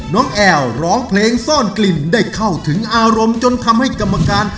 แอลร้องเพลงซ่อนกลิ่นได้เข้าถึงอารมณ์จนทำให้กรรมการ